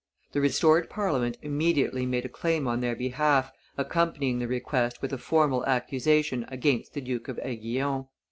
The restored Parliament immediately made a claim on their behalf, accompanying the request with a formal accusation against the Duke of Aiguillon.